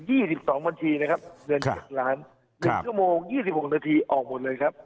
สิบสองบัญชีนะครับเงินเจ็ดล้านหนึ่งชั่วโมงยี่สิบหกนาทีออกหมดเลยครับ